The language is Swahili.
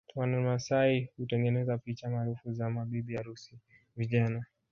Wamasai hutengeneza picha maarufu za mabibi harusi vijana